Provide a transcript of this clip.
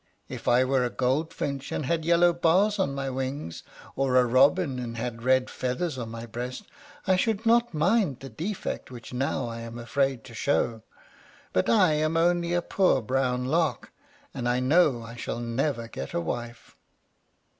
If I were a goldfinch, and had yellow bars on my wings, or a robin, and had red feathers on my breast, I should not mind the defect which now I am afraid to show. But I am only a poor brown Lark, and I know I shall never get a wife."